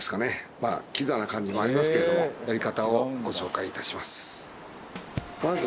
まあキザな感じもありますけれどもやり方をご紹介いたします。